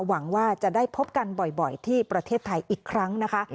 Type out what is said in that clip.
หวังว่าจะได้พบกันบ่อยที่ประเทศไทยอีกครั้งนะคะ